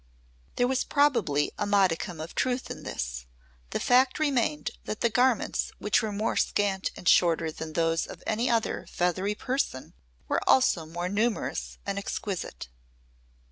There was probably a modicum of truth in this the fact remained that the garments which were more scant and shorter than those of any other feathery person were also more numerous and exquisite.